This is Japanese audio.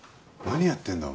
何やってんだ？